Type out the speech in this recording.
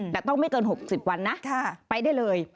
แต่ต้องไม่เกิน๖๐วันนะไปได้เลย